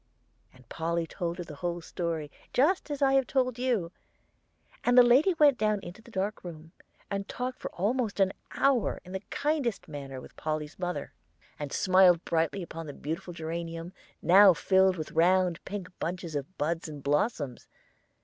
"And Polly told her the whole story, just as I have told it to you, and the lady went down into the dark room, and talked for almost an hour in the kindest manner with Polly's mother, and smiled brightly upon the beautiful geranium, now filled with round pink bunches of buds and blossoms.